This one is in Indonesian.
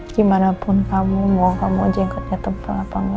gimanapun kamu mau kamu jenggotnya tebal apa engga